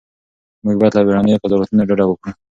موږ باید له بیړنیو قضاوتونو ډډه وکړو.